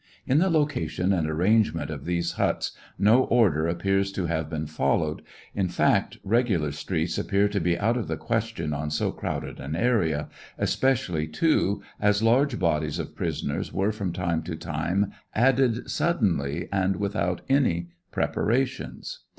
In the location and arrangement of these huts no order appears to have been followed; in fact, regular streets appear to be out of the question on so crowded an area; especially, too, as large bodies of prisoners were from time to time added sud denly and without any preparations.